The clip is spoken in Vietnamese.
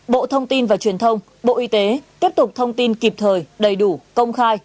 bộ thông tin và truyền thông bộ y tế tiếp tục thông tin kịp thời đầy đủ công khai